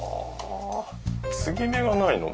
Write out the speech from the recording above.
継ぎ目がないので。